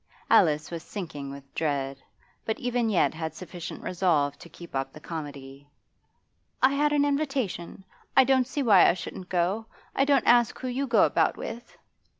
Alice was sinking with dread, but even yet had sufficient resolve to keep up the comedy. 'I had an invitation. I don't see why I shouldn't go. I don't ask you who you go about with.